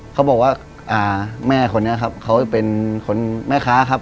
เขาบอกว่าแม่คนนี้ครับเขาเป็นคนแม่ค้าครับ